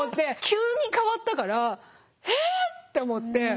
急に変わったからえって思って。